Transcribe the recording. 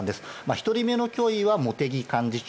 １人目の脅威は茂木幹事長。